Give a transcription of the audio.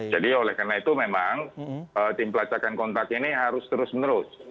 jadi oleh karena itu memang tim pelacakan kontak ini harus terus menerus